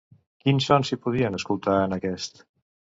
Quins sons s'hi podien escoltar en aquest?